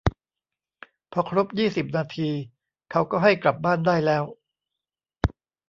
พอครบยี่สิบนาทีเขาก็ให้กลับบ้านได้แล้ว